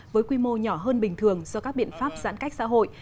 với quy mô nhỏ hơn bình thường do các biện pháp giãn cách xã hội